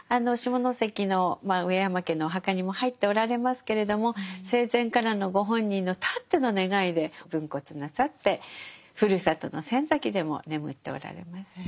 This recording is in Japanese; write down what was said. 下関の上山家のお墓にも入っておられますけれども生前からのご本人のたっての願いで分骨なさってふるさとの仙崎でも眠っておられます。